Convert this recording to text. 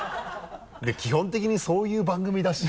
基本的にそういう番組だし。